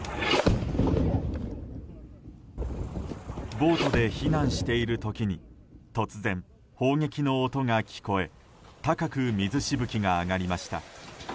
ボートで避難している時に突然、砲撃の音が聞こえ高く水しぶきが上がりました。